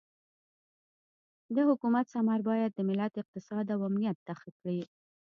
د حکومت ثمر باید د ملت اقتصاد او امنیت ښه کړي.